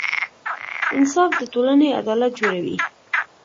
انصاف د ټولنې عدالت جوړوي.